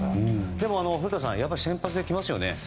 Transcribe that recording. でも、古田さんやはり先発で来ますよね？